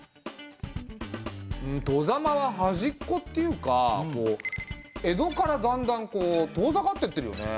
外様は端っこっていうか江戸からだんだん遠ざかってってるよね。